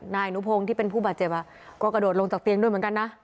นายอนุพงศ์ที่เป็นผู้บาดเจ็บก็กระโดดลงจากเตียงด้วยเหมือนกันนะ